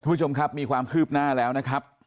ผู้ชมครับมีความคืบหน้าแล้วนะครับ